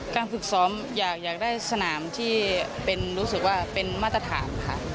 การฝึกซ้อมอยากได้สนามที่เป็นรู้สึกว่าเป็นมาตรฐานค่ะ